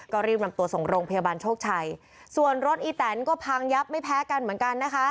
ก็รีบนำตัวส่งโรงพยาบาลโชคชัยส่วนรถอีแตนก็พังยับไม่แพ้กันเหมือนกันนะคะ